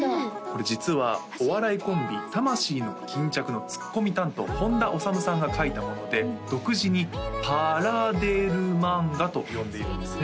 これ実はお笑いコンビ魂の巾着のツッコミ担当本多修さんが描いたもので独自にパラデル漫画と呼んでいるんですね